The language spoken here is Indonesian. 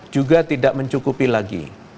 juga tidak mencukupi lagi